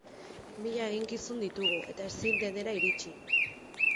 Mila eginkizun ditugu, eta ezin denera iritsi.